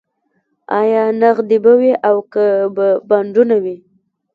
ایا نغدې به وي او که به بانډونه وي